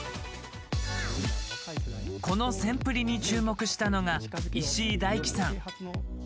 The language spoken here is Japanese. このせんプリに注目したのが石井大樹さん。